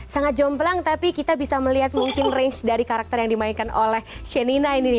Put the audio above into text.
sangat jomplang tapi kita bisa melihat mungkin range dari karakter yang dimainkan oleh shenina ini